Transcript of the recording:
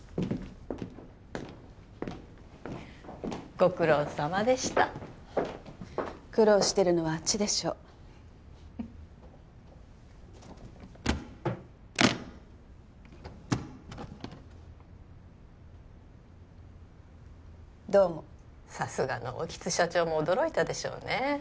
ご苦労さまでした苦労してるのはあっちでしょうどうもさすがの興津社長も驚いたでしょうね